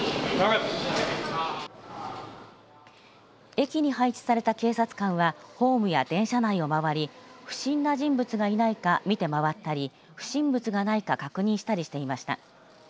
駅に配置された警察官はホームや電車内を回り不審な人物がいないか見て回ったり不審物がないか確認したりしていました。